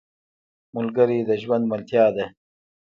ملګری د ژوند ملتیا ده